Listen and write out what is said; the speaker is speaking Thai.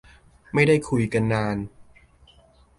ไม่ได้คุยกันนาน